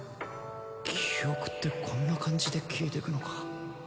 記憶ってこんな感じで消えてくのか。